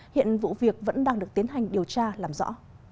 hiện vụ việc vẫn đang được tiến hành điều tra làm rõ